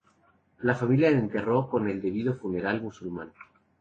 La familia la enterró con el debido funeral musulmán.